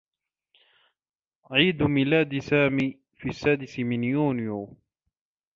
عيد ميلاد سامي في السّادس من يونيو.